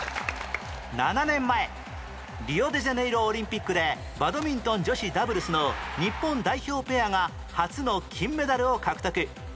７年前リオデジャネイロオリンピックでバドミントン女子ダブルスの日本代表ペアが初の金メダルを獲得